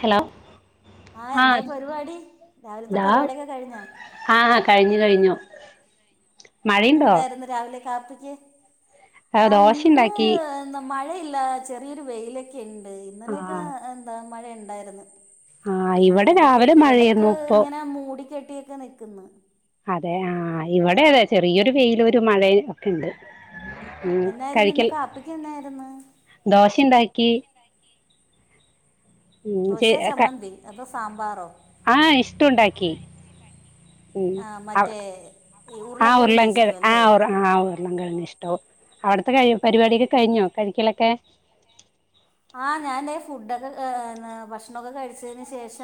Hello ആഹ ആ എന്താ പരിപാടി രാവിലത്തെ പരിപാടിയൊക്കെ കഴിഞ്ഞാ ആഹ ആ കഴിഞ്ഞു കഴിഞ്ഞു മഴയുണ്ടോ എന്തായിരുന്നു രാവിലെ കാപ്പിക്ക് ആ, ആ് ദോശ ഉണ്ടാക്കി ഇന്ന് മഴയില്ല ചെറിയൊരു വെയിലൊക്കെ ഇണ്ട് ആ ഇന്നലെയൊക്കെ എന്താ മഴ ഇണ്ടായിരുന്നു ആ പിന്നെ ഇവിടെ രാവിലെ മൂടിക്കെട്ടി എടക്ക് മഴയായിരുന്നു ഇപ്പോ ഇങ്ങനെ മൂടിക്കെട്ടിയൊക്കെ നിക്കന്ന് അതെ ആഹ ഇവിടെ അതെ ചെറിയൊരു വേ യിലൊരു മഴ ഒക്കെ ഉണ്ട് ഉ എന്നായിരുന്നു ഇന്ന് കഴിക്കൽ കാപ്പിക്ക് എന്നായിരുന്നു ദോശണ്ടാക്കി ദോശ ചമ്മന്തി അതോ സാമ്പാറോ ആഹ ഇഷ്ടംുണ്ടാക്കി ആഹ മറ്റേ ഈ ആഹ് ഉരുളക്കിഴങ്ങ് ഉർലങ്ക ഈസ്റ്റു അല്ലേ ആഹ്ർ അവിടുത്തെ ആഹ് ഉർലങ്കര ഇഷ്ടവും അവിടത്തെ കഴ പരിപാടൊക്കെ കഴിഞ്ഞോ കഴിക്കലൊക്കെ ആഹ ഞാൻ ഫുഡൊക്കെ ഭക്ഷണൊക്കെ കഴിച്ചതിന് ശേഷ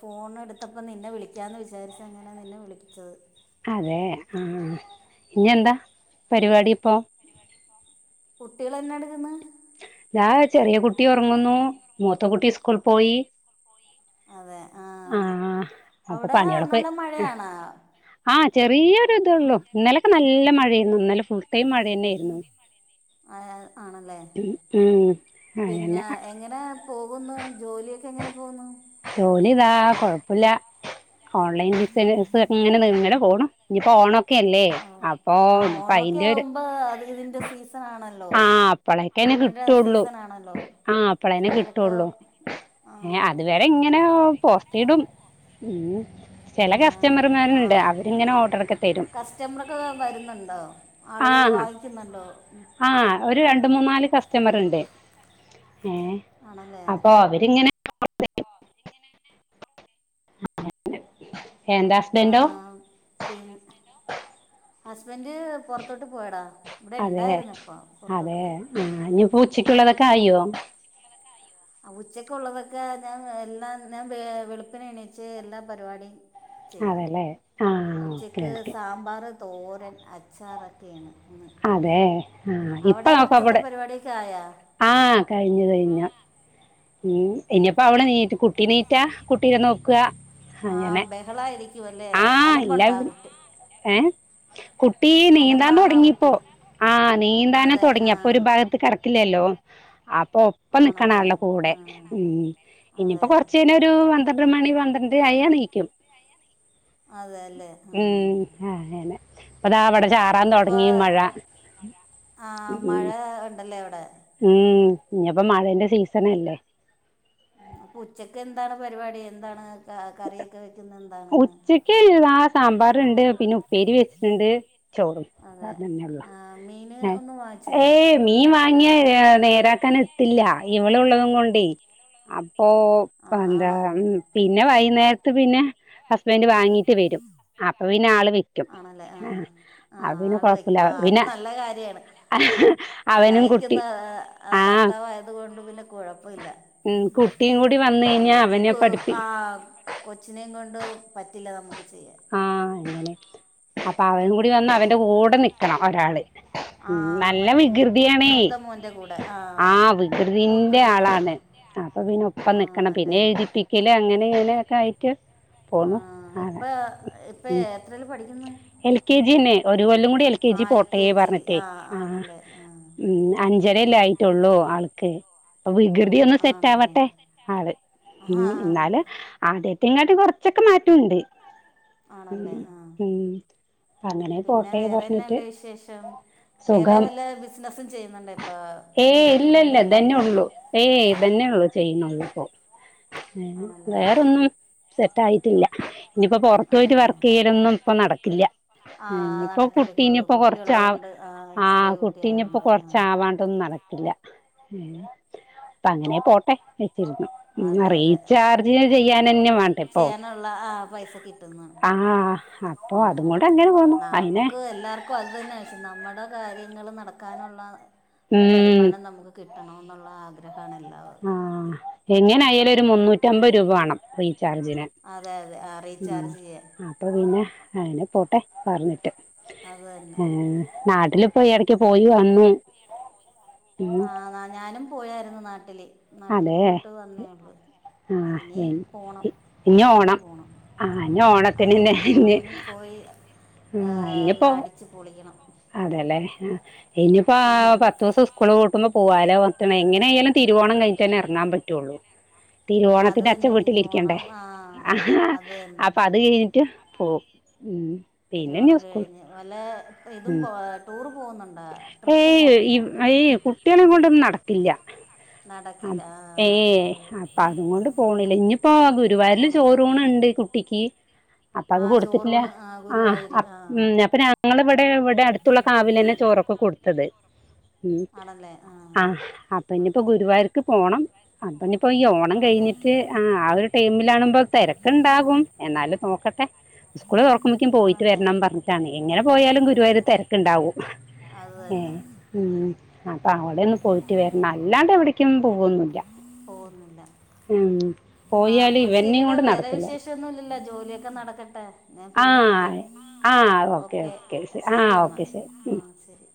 ഫോൺ എടു ത്തപ്പ നിന്നെ വിളിക്കാന്ന് വിചാരിച്ച അങ്ങനാ നിന്നെ വിളിച്ചത് അതെ ആഹ ഇനിെന്താ പരിപാടി ഇപ്പോ കുട്ടികൾന്നാ എടുക്കുന്ന ാ ചെറിയ കുട്ടി ഉറങ്ങുന്നു മൂത്ത കുുട്ടി സ്കൂൾ പോയി അതെ ആ ആഹ അപ്പൊ അവിടെ പണികളൊക്ക്െ നല്ല മഴയാണോ ആ ചെറിയൊരു ഇത ഉള്ളൂ ഇന്നലൊക്കെ നല്ല മഴയരുന്നു ഇന്നലെ പുൾട്ട മഴ തന്നൊയിരുന്നു ആ, ആണല്ലേ ഉ പിന്നെ എങ്ങനെ പോകുന്നു ജോലിയൊക്കെ എങ്ങനെ പോകുന്നു കുഴപ്പമില്ല ഓൺലൈൻ ഇങ്ങനെ നിങ്ങെ പോണും ഇനിപ്പോ ഓണ ആ ആ ഓണൊക്കെ ഒരു ആവുമ്പോ അത് ഇതിന്റെ സീസൺ ആണല്ലോ അക്കേനെ തുണിയുടെ കിട്ടുള്ളൂ സീസൺ ആണല്ലോ ആഹ അപ്പളേനെ അപ്പോഴൊക്കെ കിട്ടുള്ളു ആ ഏ അതുവരെ ഇങ്ങനെ പോസ്റ്റടും ഉ ചില ആ ആ കസ്റ്റമർമാരുണ്ട് അവരിങ്ങനെ ഓർഡർൊക്കെ തരും കസ്റ്റമറൊക്കെ വരുന്നുണ്ടോ ആ ആളുകൾ വാങ്ങിക്കുന്നുണ്ടോ ആ ഒരു രണ്ട് മൂന്ന നാല് കസ്റ്റമർണ്ട് ഏ ആണല്ലേ അപ്പൊ അവരിങ്ങനെ എന്താ ഹസ്ബൻറോ ഹസ്ബന്റ്് പുറത്തോട്ട് പോയടാ ഇവിടെ അതെ ഉണ്ടായിരുന്നു ഇപ്പ പുറത്തോട്ട് അതെ പോയി ആ ഉം ഇ പൂച്ചിട്ടുള്ളതൊക്കെ അയോ ഉച്ചക്ക ഉള്ളതൊക്കെ ഞാൻ എല്ലാം ഞാൻ വ വെളുപ്പിന എണീച്ച് എല്ലാ പരിപാടിയ ചെയ്തു അതെല്ലേ ആഹ് ഓക്കെ ഉച്ചക്ക് ഓക്കെ സാമ്പാർ തോരൻ അച്ചാറൊക്കെയാണ് ഇന്ന് അതെ ആഹ ഇപ്പ നോക്ക ഉച്ചത്തെ അവിടെ പരിപാടിയൊക്കെ ആയാ ആഹ കഴിഞ്ഞു കഴിഞ്ഞു ഉ ഇനിപ്പോ അവടെ നീറ്റ് കുട്ടി നീറ്റാ കുട്ടീെ നോക്കുക ആഹ് അങ്ങനെ ബഹളായിരിക്കും അല്ലേ അലമ്പ ഉണ്ടാകട്ടെ ഏഹ കുട്ടി നീന്താൻ അലമ്പാണാ തുടങ്ങിയപ്പോൊ കുട്ടി നീന്താൻ ആഹ തുടങ്ങിയിപ്പോ. നീന്താന അതെ തുടങ്ങി ആ അപ്പൊ ഒരു ഭാഗത്ത് കിറക്കില്ലല്ലോ അപ്പൊ ഒപ്പം ആണല്ലേ നിക്കണാല്ലോ കൂടെ ഉ ആ ഇനിയിപ്പം അതെ കൊറച്ചുന ഒരു പന്ത്രണ്ട് മണി പന്ത്രണ്ട് ആയാ നീക്കും അതെല്ലേ ഉം ആ ആന്നെ അതാവ്ടെ അപ്പൊ ആഹ ഉം മഴ ഉണ്ടല്ലേ അവിടെ ഉം ഇനിപ്പോ മഴന്റെ സീസണഅല്ലേ ഉ അപ്പം ഉച്ചക്ക് എന്താണ് പരിപാടി എന്താണ് കറിയൊക്കെ വെക്കുന്നത് എന്താണെന്ന് ഉച്ചക്ക്ള് ആ സാമ്പാറ് ണ്ട് പിന്നെ ഉപ്പേരി വെച്ചിട്ടുണ്ട് ചോളും അതെ അതെന്നെ ആ മീന് ഒന്നും വാങ്ങിച്ചില്ല ഏയ് മീൻ വാങ്ങിയ നേരാക്കാൻ എത്തില്ല ഇളള്ളതും കൊണ്ടേ അപ്പോ ആ എന്താ ആണോ പിന്നെ വൈകുന്നേര ത്ത് പിന്നെ ഹസ്ബൻഡ് വാങ്ങീട്ട് വരും അപ്പൊ പിന്നെ ആൾ വെക്കും ആ അ പിെ ആള് കൊഴപ്പില്ല വെക്കും ആ അത് പിന്നെ നല്ല കാര്യാണ് അവനും കുട്ടി സഹായിക്കുന്ന ആ ഭർത്താവായത് കൊണ്ട് പിന്നെ കുഴപ്പവില്ല ഉ കുട്ടിയും കൂടി വന്ന കഴിഞ്ഞാ അവനെ പഠിപ്പി ആ കൊച്ചിനെയും കൊണ്ട് പറ്റില്ല നമുക്ക് ചെയ്യൻ ആ അങ്ങനെ അപ്പൊ അവൻ കൂടി വന്ന അവന്റെ കൂടെ നിക്കണം ഒരാള് ആ ഉം നല്ല മറ്റേ വികൃതിയാണേ മുതമോന്റെ കൂടെ ആഹ ആ വികൃതിന്റെ മൂത്തത് ആ ആളാണ് അപ്പൊ പിന്നെ ഒപ്പം നൽക്കണം ആണല്ലേ പിന്നെ എഴുതിപ്പിക്കല് അങ്ങനെ ഇങ്ങനെയൊക്കെ ആയിട്ട് പോക്കുന്നു ആ ഇപ്പ ഇപ്പ എത്രേല്ലും പഠിക്ക്ന്ന് രു കൊല്ല കൂടി എൽ കെ ജി പോട്ട പറഞ്ഞ്ട്ട് ആ ആണല്ലേ ആ അ ഞ്ചരയല്ലേഅയിട്ടുള്ളൂ ആൾക്ക് അപ്പ വികൃതി ഒന്നു സെറ്റ് ആണല്ലേ ആവട്ടെ അത് ആഹ് എന്നാല് ആദ്യ ങ്ങാട്ടി കുറച്ചൊക്കെ മാറ്റുണ്ട് ഉ ആണല്ലേ ആ ഉം അങ്ങനെ പിന്നെ പോട്ടെ പറഞ്ഞിട്ട് വേറെന്താണ്ട് വിശേഷം വേറെ സുഖം വല്ല ബിസിനസും ചെയ്യുന്നുണ്ടോ ഇപ്പൊ ഏയ് തുണിയുടെ അല്ലാണ്ട് ചെയ്യുന്നുള്ളൂ ഇപ്പോ ആണല്ലേ വേറൊന്നും സെറ്റ് ആായിട്ടില്ല ഇനിയിപ്പോ പുറത്ത്ു പോയിട്ട് ആണല്ലേ വർക്ക് ചെയ്യലൊന്നും ഇപ്പൊ നടക്കില്ല ആ ഇനിയിപ്പോ നടക്കില്ല ഇപ്പൊ കുട്ടീനി ഇപ്പ കൊറച്ച്ാ കുട്ടിയുള്ളത് കൊണ്ട് ആ ചെറിയ കുട്ടീനിപ്പൊ കുട്ടിയായോണ്ട് ആ കൊറച്ചാവാണ്ടൊന്നും നടക്കില്ല അപ്പ അങ്ങനെ പോട്ടെ അതെ അതെ റീചാർജി ചെയ്യൻ തന്നെ വേണ്ടെ ഇപ്പൊ ചെയ്യാനുള്ള ആ പൈസ കിട്ടുന്ന് ആഹ് അപ്പൊ അതും കൊണ്ട് അങ്ങനെ പോന്നു ആ അയിനെ നമ്മക്ക് എല്ലാർക്കും അത് തന്നെ ശ്യം നമ്മുടെ കാര്യം ങ്ങൾ നടക്കാനുള്ള ഒരു ഉം വരുമാനം നമുക്ക് കിട്ടണ എന്നുള്ള ആഗ്രഹണല്ലോ ആഹ എങ്ങനെ ആയാലും ഒരു മുന്നൂറ്റമ്പത് രൂപ വേണം റീചാർജിന് അതെ അതെ ആ ഉ റീചാർജ് ചെയ്യാൻ അപ്പൊ പിന്നെ അയിന് പോട്ടെ പറഞ്ഞിട്ട് അത് തന്നെ നാട്ടിലിപ്പോ ഇടക്ക് പോയി വന്നു ഉം ആഹ ഞാനും പോയായിരുന്നു നാട്ടില് നാട്ടില് പോയിട്ട് വന്നേള്ളു ആഹ ഇഞ്ഞ് ഓണം ഓണത്തിന് പോണം ആ ഓണത്തിന്ന്നെ ഇ പോ ആ ഇനിപ്പോ അതെല്ലേ ആ ഇനിയിപ്പോ ഇപ്പ പത്ത് ദിവസം സ്കൂള് കൂട്ടുമ്പോ പോാലോ എങ്ങനെ ആയാലും തിരുവോണം കഴിഞ്ഞിട്ട് തന്നെ ഇറങ്ങാൻ പറ്റുള്ളൂ ആ അത് തിരുവോണത്തിന്റെ അച്ച തന്നെ വീട്ടിലിരിക്കണ്ടേ തിരുവോണം ആ അത് തന്നെ. അപ്പൊ അത് കഴിഞ്ഞിട്ട് പോ തിരുവോണം കഴിഞ്ഞ് വല ഇതും ഉം പോ ടൂറ് പോകുന്നു ഏയ് ഈ ഏയ് കുട്ടികളെ കൊണ്ടൊന്നും നടക്കില്ല നട അ ഏ അപ്പ പോ അതും കൊൊണ്ട് പോണില്ല ഇനിപ്പോ ഗുരുവായരിൽ പോണില്ല ചോറൂണ് ഉണ്ട് ുട്ടിക്കക്ക് അപ്പൊ അത് ആഹ് കൊടുത്തിട്ടില്ല ചോറൂണ് ആഹ് ആ് ഗുരുവായൂര് ഉ ആഹ് അപ്പൊ ഞങ്ങള ഇവിടെ ഇവിടെ അടുത്തുള്ള കാവില തന്നെ ച ഉ ആണല്ലേ ആഹ് അ ഇപ്പൊ ഗുരുവായർക്ക് പോകണം അ അപ്പൊ ഈ ഓണം ആണല്ലേ കഴിഞ്ഞിട്ട് ആ ആ ഒരു ടൈമിലാണുമ്പോ തിരക്കുണ്ടാകും എന്നാലും നോക്കട്ടെ സ്കൂള് തുറക്കുമ്പോക്ക പോയിട്ട് ആണല്ലേ വരണംന്ന് പറഞ്ഞിട്ടാണ് എങ്ങെ പോാലും ഗുരുവായൂ തിരക്കണ്ടാവും അത് ഏ തന്നെ ഉ അപ്പൊ അവിടെ ഒന്നന്ന് പോയിട്ട് വരണം അല്ലാത എവിടേക്കും പോവന്നില്ല പോയാല് അപ്പ ഇവനെയും ശരിട കൊണ്ട് വേ നടക്കില്ല വിശേഷൊന്നോ ഇക്കെ നടക്കട്ടെ ഞാൻ ആ പിന്നെ വിളിക്കാം ആ ഓക്കെ ആ ശരി എന്നാ ഓക്കെ ശരി ഉം ആ ശരി